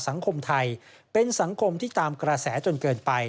สังคมไทยเป็นสังคมที่ตามกระแสจนเกินไป